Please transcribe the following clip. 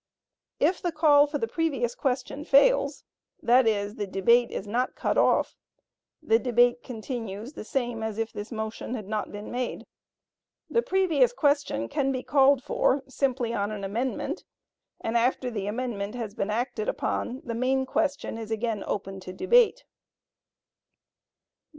If the call for the previous question fails, that is, the debate is not cut off, the debate continues the same as if this motion had not been made. The previous question can be called for simply on an amendment, and after the amendment has been acted upon, the main question is again open to debate.